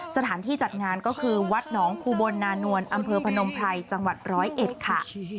สถานที่จัดงานก็คือวัดหนองคูบนนานวลอำเภอพนมไพรจังหวัดร้อยเอ็ดค่ะ